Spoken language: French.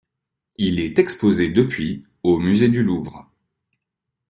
Il est exposé depuis au Musée du Louvre.